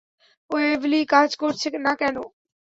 Weebly কাজ করছে না কেন?